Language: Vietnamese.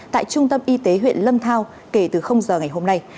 tại trung tâm y tế huyện lâm thao kể từ giờ ngày hôm nay